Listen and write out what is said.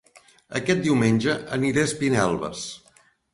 Aquest diumenge aniré a Espinelves